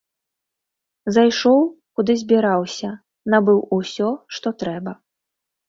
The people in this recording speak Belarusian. Зайшоў, куды збіраўся, набыў усё, што трэба.